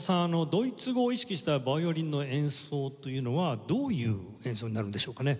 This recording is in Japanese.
ドイツ語を意識したヴァイオリンの演奏というのはどういう演奏になるんでしょうかね？